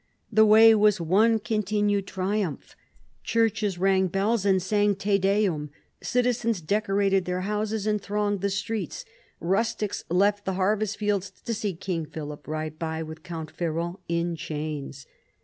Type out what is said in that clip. The way was one continued triumph. Churches rang bells and sang Te Deum : citizens decorated their houses and thronged the streets : rustics left the harvest fields to see King Philip ride by with Count Ferrand in chains.